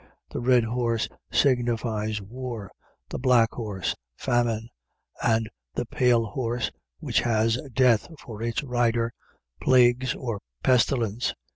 The red horse signifies war; the black horse, famine; and the pale horse (which has Death for its rider), plagues or pestilence.